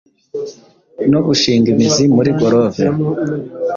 no gushinga imizi muri Gorove,